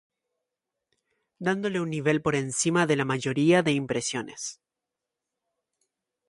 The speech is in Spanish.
Dándole un nivel por encima de la mayoría de impresores.